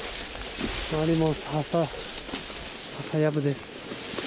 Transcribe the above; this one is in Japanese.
周りもささやぶです。